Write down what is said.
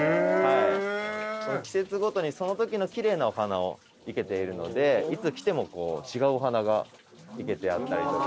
季節ごとにそのときの奇麗なお花を生けているのでいつ来ても違うお花が生けてあったりとか。